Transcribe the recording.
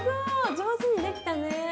上手にできたね。